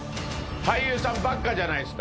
俳優さんばっかじゃないですか。